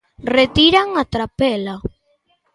Retiran a trapela.